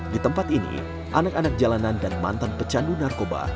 di tempat ini anak anak jalanan dan mantan pecandu narkoba